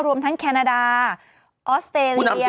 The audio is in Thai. รวมทั้งแคนาดาออสเตรเลีย